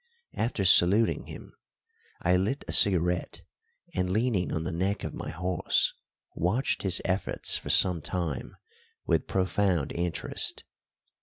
After saluting him, I lit a cigarette, and, leaning on the neck of my horse, watched his efforts for some time with profound interest.